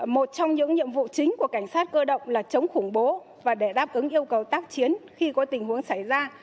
một trong những nhiệm vụ chính của cảnh sát cơ động là chống khủng bố và để đáp ứng yêu cầu tác chiến khi có tình huống xảy ra